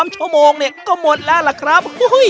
๓ชั่วโมงเนี่ยก็หมดแล้วล่ะครับ